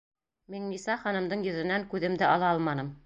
Миңниса ханымдың йөҙөнән күҙемде ала алманым.